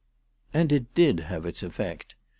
And it did have its effect.